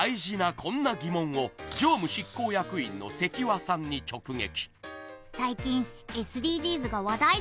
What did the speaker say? こんな疑問を常務執行役員の関和さんに直撃